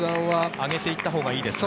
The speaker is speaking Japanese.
上げていったほうがいいですか。